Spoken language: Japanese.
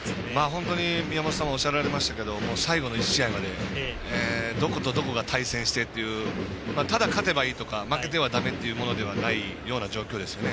本当に宮本さんおっしゃられましたけど最後の１試合までどことどこが対戦してというただ、勝てばいいとか負けてはだめというような状況ではないですね。